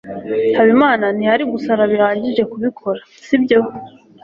habimana ntiyari gusara bihagije kubikora, sibyo